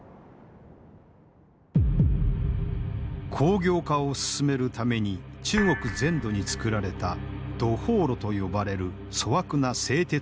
工業化を進めるために中国全土に作られた土法炉と呼ばれる粗悪な製鉄設備。